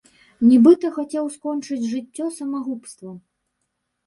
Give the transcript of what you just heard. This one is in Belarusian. Нібыта хацеў скончыць жыццё самагубствам.